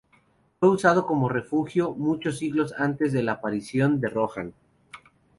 Fue usado como refugio mucho siglos antes de la aparición de Rohan.